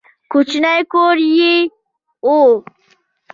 کوچنی کور یې و.